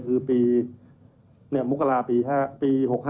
คือปีมุกราศปี๖๕